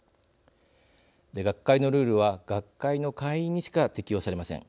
学会のルールは学会の会員にしか適用されません。